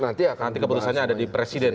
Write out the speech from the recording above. nanti keputusannya ada di presiden